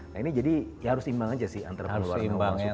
nah ini jadi ya harus imbang aja sih antar peluang yang orang suka